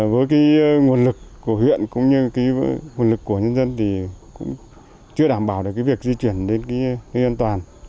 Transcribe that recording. với nguồn lực của huyện cũng như nguồn lực của nhân dân thì chưa đảm bảo được việc di chuyển đến nơi an toàn